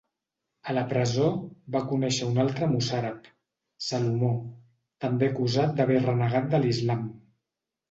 A la presó, va conèixer un altre mossàrab, Salomó, també acusat d'haver renegat de l'Islam.